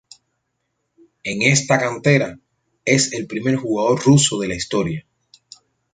En esta cantera, es el primer jugador ruso de la historia.